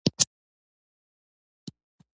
نمک د افغانستان د اقتصاد برخه ده.